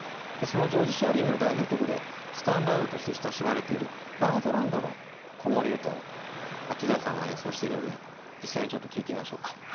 そのジョージ・シアリングの代表曲でスタンダードとして親しまれている「バードランドの子守唄」を八大さんが演奏しているので実際にちょっと聴いてみましょうか。